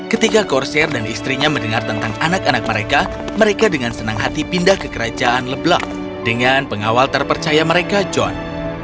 ketika corser dan istrinya mendengar tentang anak anak mereka mereka dengan senang hati pindah ke kerajaan leblak dengan pengawal terpercaya mereka john